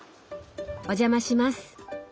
お邪魔します。